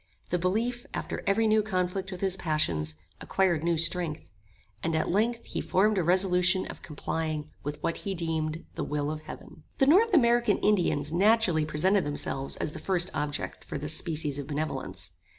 The belief, after every new conflict with his passions, acquired new strength; and, at length, he formed a resolution of complying with what he deemed the will of heaven. The North American Indians naturally presented themselves as the first objects for this species of benevolence.